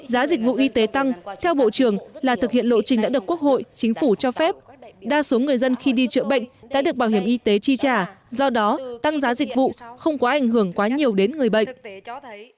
giá dịch vụ y tế tăng theo bộ trưởng là thực hiện lộ trình đã được quốc hội chính phủ cho phép đa số người dân khi đi chữa bệnh đã được bảo hiểm y tế chi trả do đó tăng giá dịch vụ không có ảnh hưởng quá nhiều đến người bệnh